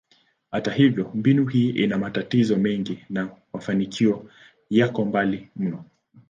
Hata hivyo, mbinu hii ina matatizo mengi na mafanikio yako mbali mno.